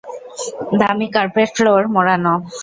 দামী কার্পেটে ফ্লোর মোড়ানো।